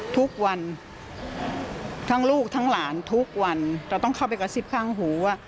ทุกวันทั้งลูกทั้งหลานทุกวันเราต้องเข้าไปกระซิบข้างหูว่า